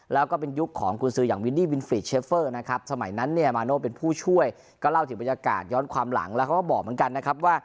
แล้วก็เป็นยุคของกุญศืออย่างวินดี้วินฟรีดเชฟเฟอร์นะครับ